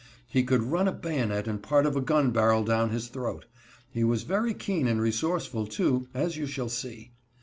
He could run a bayonet and part of a gun barrel down his throat. He was very keen and resourceful, too, as you shall see.